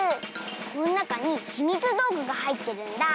このなかにひみつどうぐがはいってるんだ！